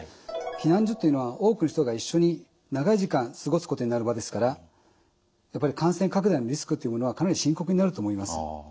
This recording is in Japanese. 避難所というのは多くの人が一緒に長い時間過ごすことになる場ですからやっぱり感染拡大のリスクというものはかなり深刻になると思います。